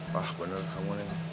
pak bener kamu nih